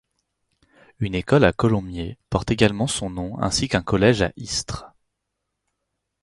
Une école à Colomiers porte également son nom ainsi qu'un collège à Istres.